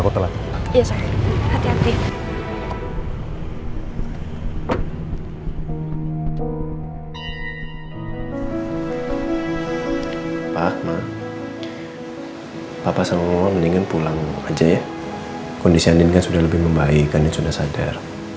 kondisi andin kan sudah lebih membaik andin sudah sadar